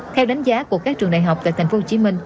theo đánh giá của các trường đại học tại tp hcm